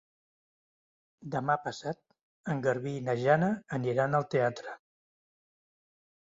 Demà passat en Garbí i na Jana aniran al teatre.